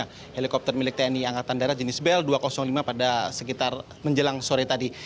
ada helikopter milik tni angkatan darat jenis bel dua ratus lima pada sekitar menjelang sore tadi